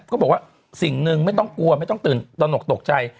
ก็บอกว่าสิ่งหนึ่งไม่ต้องกลัวไม่ต้องตื่นตนกตกใจ